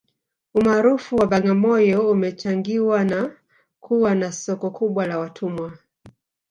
umaarufu wa bagamoyo umechangiwa na kuwa na soko kubwa la watumwa